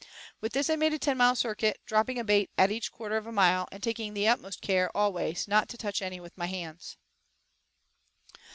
With this I made a ten mile circuit, dropping a bait at each quarter of a mile, and taking the utmost care, always, not to touch any with my hands.